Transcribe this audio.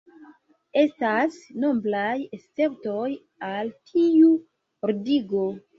Estas nombraj esceptoj al tiu ordigo.